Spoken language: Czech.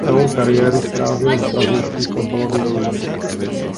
Celou kariéru strávil v brazilských fotbalových týmech.